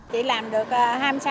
chị làm được hai mươi sáu năm